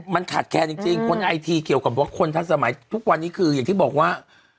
มันขาดแคลนจริงคนไอทีเกี่ยวกับว่าคนทันสมัยทุกวันนี้คืออย่างที่บอกว่า